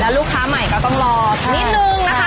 ลูกค้าใหม่ก็ต้องรอนิดนึงนะคะ